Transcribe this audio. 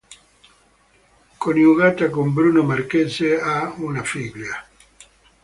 Coniugata con Bruno Marchese, ha una figlia.